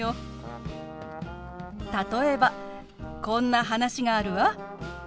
例えばこんな話があるわ。